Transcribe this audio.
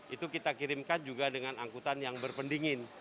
itu kita kirimkan juga dengan angkutan yang berpendingin